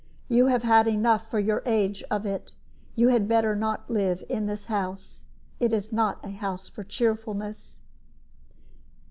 You have had enough, for your age, of it. You had better not live in this house; it is not a house for cheerfulness."